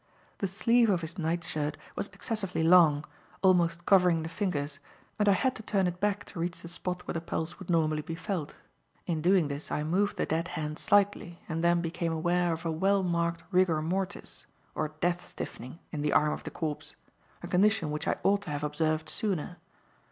The sleeve of his night shirt was excessively long, almost covering the fingers, and I had to turn it back to reach the spot where the pulse would normally be felt. In doing this, I moved the dead hand slightly and then became aware of a well marked rigor mortis, or death stiffening in the arm of the corpse; a condition which I ought to have observed sooner.